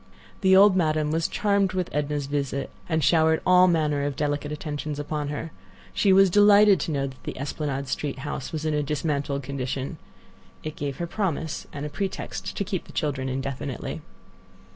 The old Madame was charmed with Edna's visit, and showered all manner of delicate attentions upon her. She was delighted to know that the Esplanade Street house was in a dismantled condition. It gave her the promise and pretext to keep the children indefinitely.